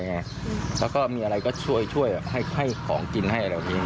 แล้วก็มีอะไรก็ช่วยให้ของกินให้เราเอง